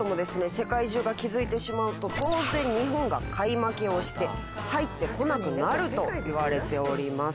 世界中が気づいてしまうと当然日本が買い負けをして入ってこなくなるといわれております。